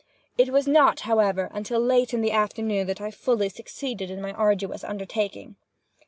It was not, however, until late in the afternoon that I fully succeeded in my arduous undertaking.